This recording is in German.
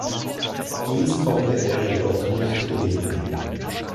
Dies konnte er jedoch nicht gewinnen.